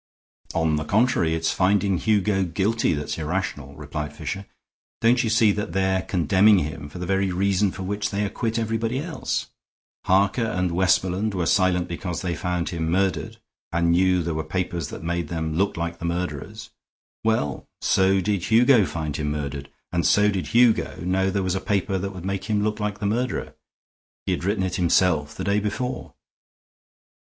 "On the contrary, it's finding Hugo guilty that's irrational," replied Fisher. "Don't you see that they're condemning him for the very reason for which they acquit everybody else? Harker and Westmoreland were silent because they found him murdered, and knew there were papers that made them look like the murderers. Well, so did Hugo find him murdered, and so did Hugo know there was a paper that would make him look like the murderer. He had written it himself the day before."